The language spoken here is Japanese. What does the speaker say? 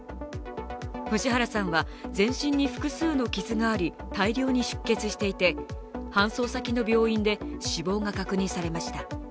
藤原さんは全身に複数の傷があり大量に出血していて、搬送先の病院で死亡が確認されました。